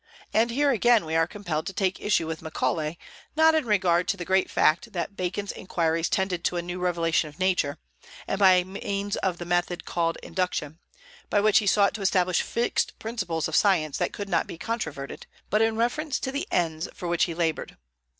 And here again we are compelled to take issue with Macaulay, not in regard to the great fact that Bacon's inquiries tended to a new revelation of Nature, and by means of the method called induction, by which he sought to establish fixed principles of science that could not be controverted, but in reference to the ends for which he labored.